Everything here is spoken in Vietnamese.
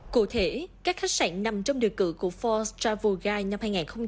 cụ thể các khách sạn nằm trong điều cử của forbes travel guide năm hai nghìn hai mươi bốn